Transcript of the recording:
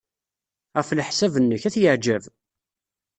Ɣef leḥsab-nnek, ad t-yeɛjeb?